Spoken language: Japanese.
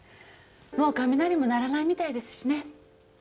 もう雷も鳴らないみたいですしね。